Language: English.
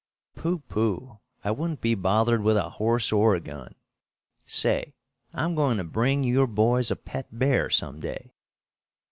"Pooh, pooh! I wouldn't be bothered with a horse or a gun. Say, I'm goin' to bring your boys a pet bear some day."